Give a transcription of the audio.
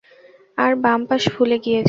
আর বাম পাশ ফুলে গিয়েছে।